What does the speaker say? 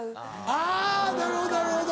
あぁなるほどなるほど。